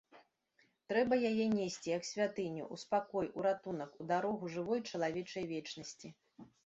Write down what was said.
Трэба яе несці, як святыню, у спакой, у ратунак, у дарогу жывой чалавечай вечнасці.